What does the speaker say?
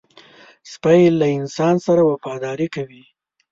سپي له انسان سره وفاداري کوي.